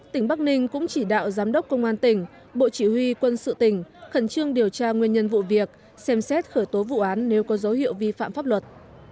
tỉnh bắc ninh cũng chỉ đạo giám đốc công an tỉnh bộ chỉ huy quân sự tỉnh khẩn trương điều tra nguyên nhân vụ việc xem xét khởi tố vụ án nếu có dấu hiệu vi phạm pháp luật